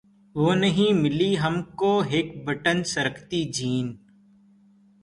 وہ نہیں ملی ہم کو ہک بٹن سرکتی جین